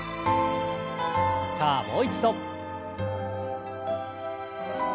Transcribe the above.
さあもう一度。